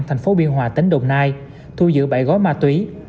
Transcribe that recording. thành phố biên hòa tỉnh đồng nai thu giữ bảy gói ma túy